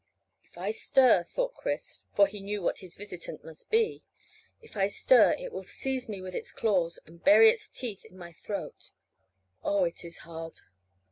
"If I stir," thought Chris for he knew what his visitant must be "if I stir it will seize me with its claws and bury its teeth in my throat. Oh, it is hard!"